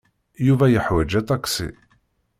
Yuba yeḥwaj aṭaksi.